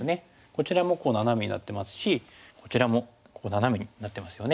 こちらもナナメになってますしこちらもここナナメになってますよね。